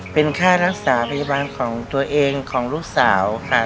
เป็นค่ารักษาพยาบาลของตัวเองของลูกสาวค่ะ